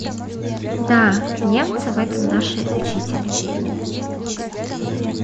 Да, немцы в этом наши учители.